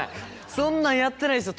そんなんやってないっすよ